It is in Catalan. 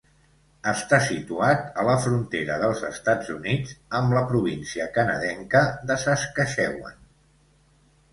Està situat a la frontera dels Estats Units amb la província canadenca de Saskatchewan.